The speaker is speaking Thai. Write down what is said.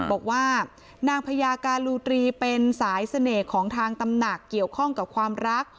บอกว่านางพญาการูตรีเป็นสายเสน่ห์ของทางตำหนักเกี่ยวข้องกับความรัก